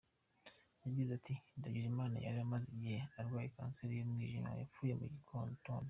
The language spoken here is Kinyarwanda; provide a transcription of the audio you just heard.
Yagize ati “ Ndagijimana yari amaze igihe arwaye kanseri y’umwijima, yapfuye mu gitondo.